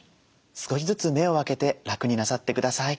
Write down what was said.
少しずつ目を開けて楽になさってください。